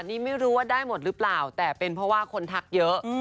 นี่ไม่รู้ว่าได้หมดหรือเปล่าแต่เป็นเพราะว่าคนทักเยอะ